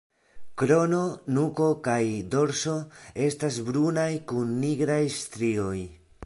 Krono, nuko kaj dorso estas brunaj kun nigraj strioj.